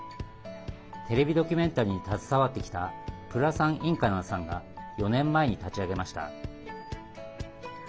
テレビドキュメンタリーに携わってきたプラサン・インカナンさんが４年前に立ち上げました。